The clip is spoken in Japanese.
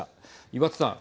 岩田さん。